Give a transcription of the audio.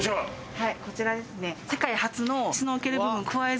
はいこちらですね。